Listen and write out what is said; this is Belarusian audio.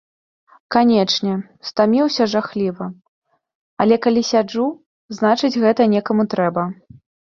Канечне, стаміўся жахліва, але, калі сяджу, значыць, гэта некаму трэба.